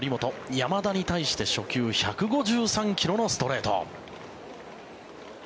山田に対して、初球１５３ｋｍのストレート。